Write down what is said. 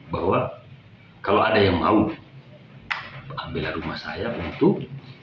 bahwa kalau ada yang mau ambil rumah saya untuk